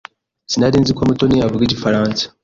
Sinari nzi ko Mutoni avuga Igifaransa.